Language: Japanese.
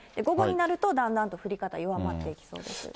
午後になるとだんだんと降り方弱まっていきそうです。